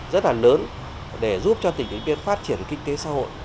rất là lớn để giúp cho tỉnh điện biên phát triển kinh tế xã hội